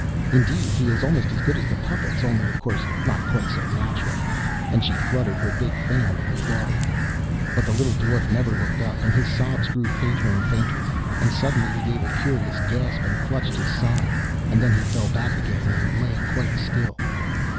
Indeed he is almost as good as the puppets, only of course not quite so natural.' And she fluttered her big fan, and applauded. But the little Dwarf never looked up, and his sobs grew fainter and fainter, and suddenly he gave a curious gasp, and clutched his side. And then he fell back again, and lay quite still.